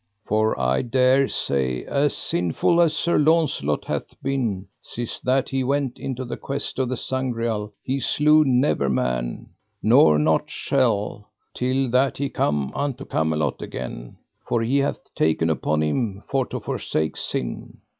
For I dare say, as sinful as Sir Launcelot hath been, sith that he went into the quest of the Sangreal he slew never man, nor nought shall, till that he come unto Camelot again, for he hath taken upon him for to forsake sin.